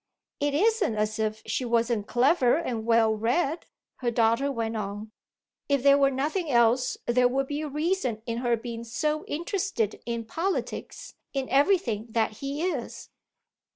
"It isn't as if she wasn't clever and well read," her daughter went on. "If there were nothing else there would be a reason in her being so interested in politics, in everything that he is."